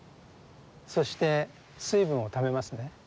そして水分をためますね。